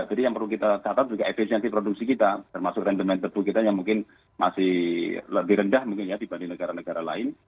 jadi yang perlu kita catat juga efisiensi produksi kita termasuk rendement tebu kita yang mungkin masih lebih rendah dibanding negara negara lain